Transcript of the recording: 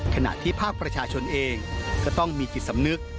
ขณะที่ภาคประชาชนเองก็ต้องมีจิตสำนึก